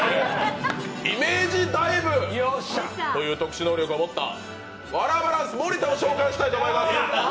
イメージダイブという特殊能力を持ったワラバランス盛田を紹介したいと思います。